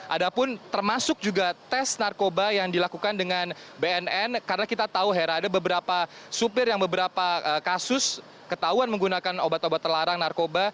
ada pun termasuk juga tes narkoba yang dilakukan dengan bnn karena kita tahu hera ada beberapa supir yang beberapa kasus ketahuan menggunakan obat obat terlarang narkoba